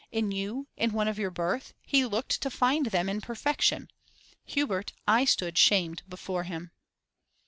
In you, in one of your birth, he looked to find them in perfection. Hubert, I stood shamed before him.